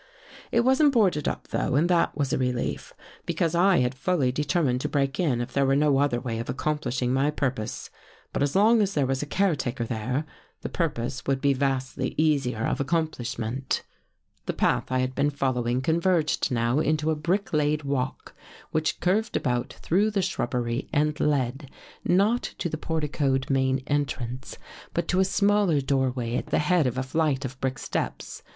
" It wasn't boarded up, though, and that was a relief; because I had fully determined to break in if there were no other way of accomplishing my purpose. But as long as there was a caretaker there, the purpose would be vastly easier of accom plishment. 171 THE GHOST GIRL " The path I had been following converged now into a brick laid walk which curved about through the shrubbery and led, not to the porticoed main entrance, but to a smaller doorway at the head of a flight of brick steps.